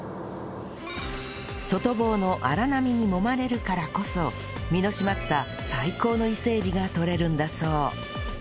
外房の荒波にもまれるからこそ身の締まった最高の伊勢エビがとれるんだそう